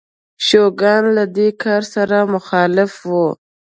شوګان له دې کار سره مخالف و.